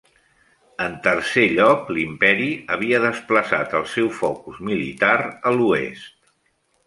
En tercer lloc, l'imperi havia desplaçat el seu focus militar a l'oest.